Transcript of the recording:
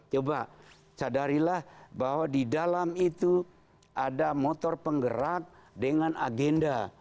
coba sadarilah bahwa di dalam itu ada motor penggerak dengan agenda